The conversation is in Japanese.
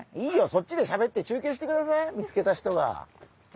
そっちでしゃべって中継してください見つけた人が。